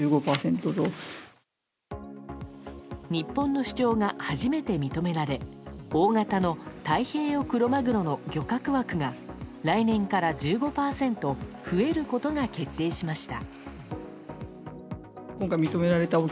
日本の主張が初めて認められ大型の太平洋クロマグロの漁獲枠が来年から１５％増えることが決定しました。